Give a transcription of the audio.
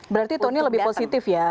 berarti tony lebih positif ya